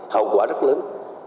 hậu quả rất lớn